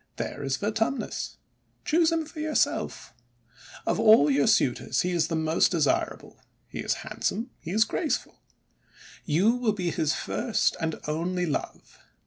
There is Vertumnus. Choose him for yourself. Of all your suitors he is the most desirable. He is handsome, he is graceful. ' You will be his first and only love